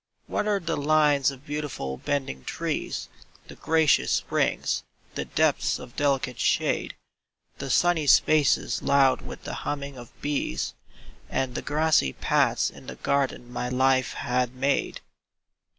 Where are the lines of beautiful bending trees, The gracious springs, the depths of delicate shade, The sunny spaces loud with the humming of bees, And the grassy paths in the garden my life had made?